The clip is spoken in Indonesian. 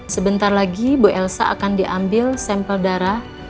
sebentar lagi bu elsa akan diambil sampel darah